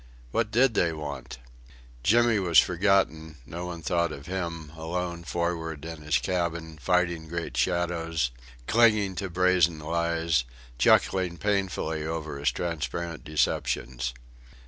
What did they want? Jimmy was forgotten; no one thought of him, alone forward in his cabin, fighting great shadows, clinging to brazen lies, chuckling painfully over his transparent deceptions.